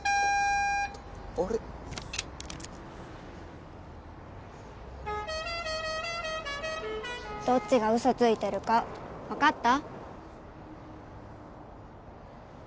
あれどっちがウソついてるか分かった？